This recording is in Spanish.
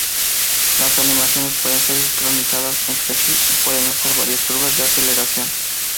Las animaciones puede ser sincronizadas entre sí, y pueden usar varias curvas de aceleración.